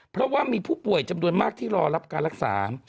เพราะว่ามีผู้ป่วยจำนวนมากที่รอรับการรักษา